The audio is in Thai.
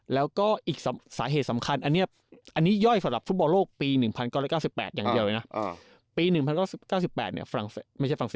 แล้วก็อีกสาเหตุสำคัญอันนี้ย่อยสำหรับฟุตบอลโลกปี๑๙๙๘อย่างเดียวเลยนะ